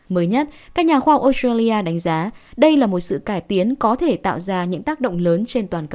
mới nhất các nhà khoa học australia đánh giá đây là một sự cải tiến có thể tạo ra những tác động lớn trên toàn cầu